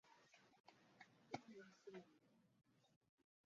如今喀喇河屯行宫仅存遗址。